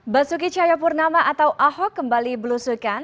basuki cayo purnama atau ahok kembali berlusukan